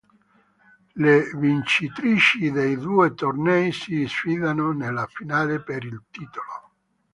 Le vincitrici dei due tornei si sfidano nella finale per il titolo.